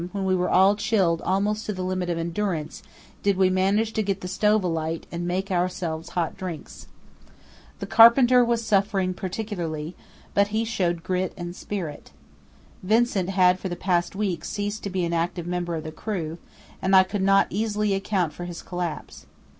when we were all chilled almost to the limit of endurance, did we manage to get the stove alight and make ourselves hot drinks. The carpenter was suffering particularly, but he showed grit and spirit. Vincent had for the past week ceased to be an active member of the crew, and I could not easily account for his collapse.